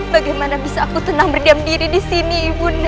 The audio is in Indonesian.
bagaimana bisa aku tenang berdiam diri di sini ibunda